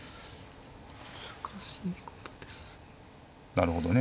なるほどね。